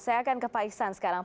saya akan ke pak iksan sekarang